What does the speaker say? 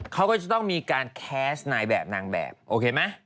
เขาก็จะต้องมีการแคสต์นายแบบนางแบบโอเคไหม